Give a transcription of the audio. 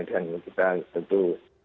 dan kita tentu